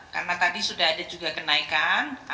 karena tadi sudah ada juga kenaikan